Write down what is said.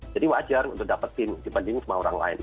jadi wajar untuk dapetin dibandingin sama orang lain